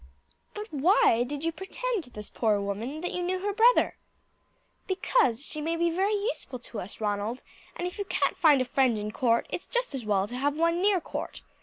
"But why did you pretend to this poor woman that you knew her brother?" "Because she may be very useful to us, Ronald; and if you can't find a friend in court, it's just as well to have one near court.